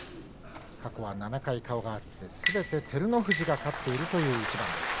過去は７回、顔が合ってすべて照ノ富士が勝っているという一番です。